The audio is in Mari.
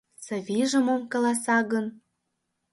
Савийже мом каласа гын?